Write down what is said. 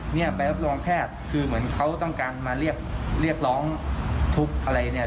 เนี่ยไปรับรองแพทย์คือเหมือนเขาต้องการมาเรียกเรียกร้องทุกข์อะไรเนี่ย